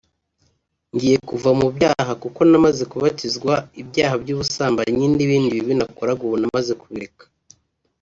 ngiye kuva mu byaha kuko namaze kubatizwa ibyaha by’ubusambanyi n’ibindi bibi nakoraga ubu namaze kubireka